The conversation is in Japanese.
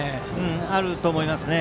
あると思いますね。